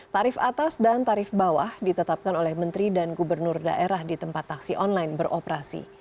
tarif atas dan tarif bawah ditetapkan oleh menteri dan gubernur daerah di tempat taksi online beroperasi